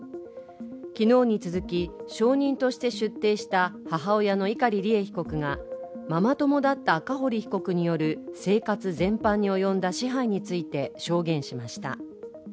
昨日に続き、証人として出廷した母親の碇利恵被告がママ友だった赤堀被告による生活全般に及んだ支配について証言しました。